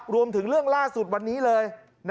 รวมถึงเรื่องล่าสุดวันนี้เลย